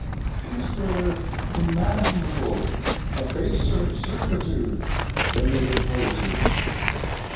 Is there imaginable a baser servitude than it imposes?